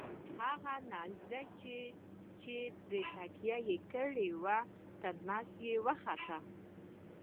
هغه نیزه چې پرې تکیه یې کړې وه تر نس یې وخوته.